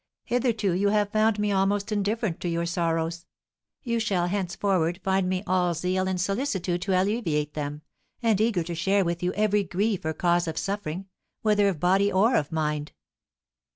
Hitherto you have found me almost indifferent to your sorrows; you shall henceforward find me all zeal and solicitude to alleviate them, and eager to share with you every grief or cause of suffering, whether of body or of mind."